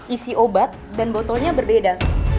isi obat dan botolnya berbeda